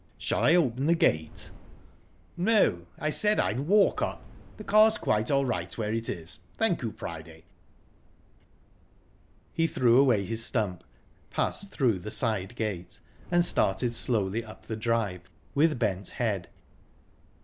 "Shall I open the gate?" "No, I said I'd walk up. The car's quite all right where it is. Thank you, Priday." He threw away his stump, passed through the side gate, and started slowly up the drive, with bent head.